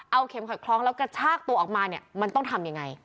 เอาเข็มขัดคล้องแล้วกระชากตัวออกมาเนี่ยมันต้องทำยังไง